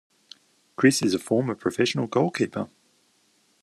Chris is a former professional goalkeeper.